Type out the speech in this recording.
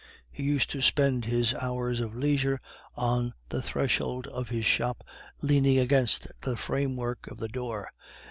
He used to spend his hours of leisure on the threshold of his shop, leaning against the framework of the door.